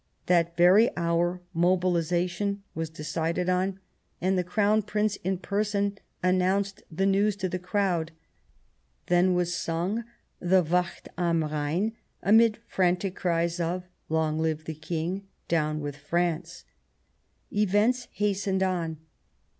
That very hour mobilization was decided on, and the Crown Prince in person announced the news to the crowd. Then was sung the " Wacht am Rhein" amid frantic cries of :" Long live the King ! Down with France !" Events hastened on.